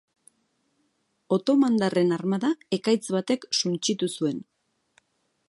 Otomandarren armada ekaitz batek suntsitu zuen.